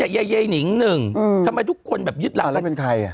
แย่ไหนหนึ่งทำไมทุกคนแบบยึดรับ